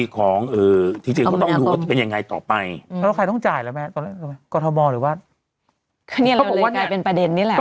ก็นี่เราเลยกลายเป็นประเด็นนี่แหละ